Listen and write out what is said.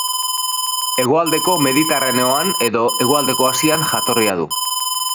Hegoaldeko Mediterraneoan edo hegoaldeko Asian jatorria du.